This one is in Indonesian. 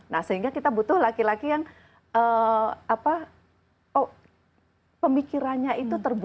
nah sehingga kita butuh laki laki yang pemikirannya itu terbuka